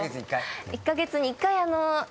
１カ月に１回あの。